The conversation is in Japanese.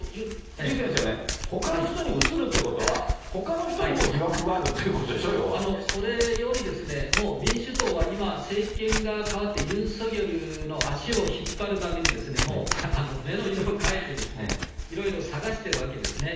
李先生ね、ほかの人に移るということは、ほかの人にも疑惑がそれより、もう民主党は今、政権が変わって、ユン・ソギョルの足を引っ張るために、もう目の色を変えて、いろいろ探してるわけですね。